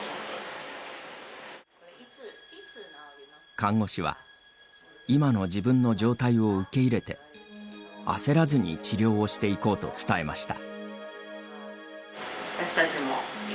看護師は今の自分の状態を受け入れて焦らずに治療をしていこうと伝えました。